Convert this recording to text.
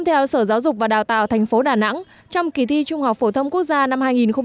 theo sở giáo dục và đào tạo tp đà nẵng trong kỳ thi trung học phổ thông quốc gia năm hai nghìn một mươi tám